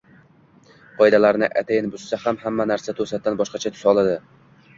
qoidalarni atayin buzsa hamma narsa to‘satdan boshqacha tus oladi